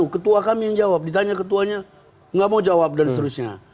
ketua kami yang jawab ditanya ketuanya nggak mau jawab dan seterusnya